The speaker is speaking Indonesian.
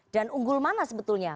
dan unggul mana sebetulnya